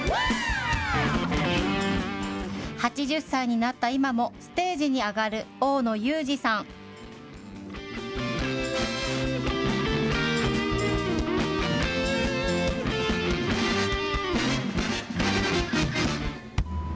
８０歳になった今もステージに上がる大野雄二さん。